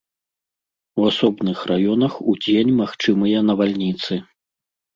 У асобных раёнах удзень магчымыя навальніцы.